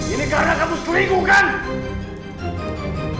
ini karena kamu selingkuh kan